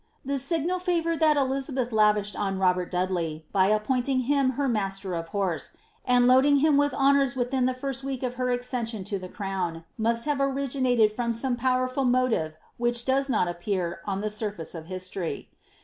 The signal &vour that EUizabeih lavisheid ob Robert Dudley, by appointing him her master of horse, and loading him with honours within the iirst week of her accession to the crown, must have originated from some powerful motive which does not appear OB the surface of history.